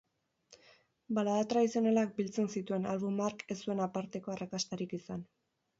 Balada tradizionalak biltzen zituen album hark ez zuen aparteko arrakastarik izan.